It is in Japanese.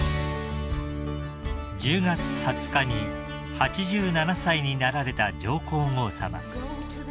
［１０月２０日に８７歳になられた上皇后さま］